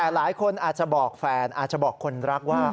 แต่หลายคนอาจจะบอกแฟนอาจจะบอกคนรักว่า